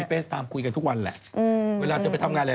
เฟสทามคุยกับใครในบางที่